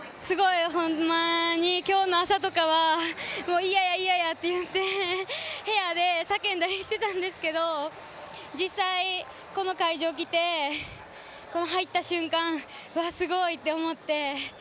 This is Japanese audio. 今日の朝とかは、嫌や、嫌やと言って部屋で叫んだりしてたんですけど、実際、この会場に来て入った瞬間、わっすごいって思って。